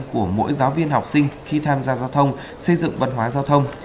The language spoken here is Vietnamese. của mỗi giáo viên học sinh khi tham gia giao thông xây dựng văn hóa giao thông